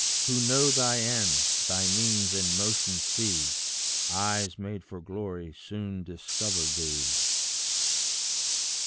Who know thy ends, thy means and motions see: Eyes made for glory soon discover thee.